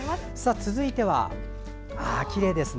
続いては、きれいですね。